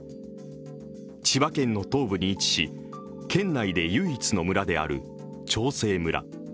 千葉県の東部に位置し県内で唯一の村である長生村。